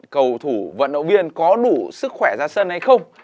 cầu thủ vận động viên có đủ sức khỏe ra sân hay không